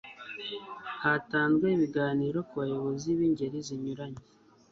hatanzwe ibiganiro ku bayobozi b'ingeri zinyuranye